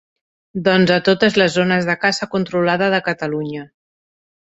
Doncs a totes les zones de caça controlada de Catalunya.